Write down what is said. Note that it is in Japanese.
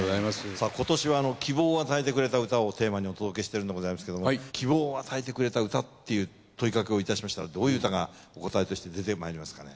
さぁ今年は希望を与えてくれた歌をテーマにお届けしてるんでございますけども希望を与えてくれた歌っていう問いかけをいたしましたらどういう歌がお答えとして出てまいりますかね？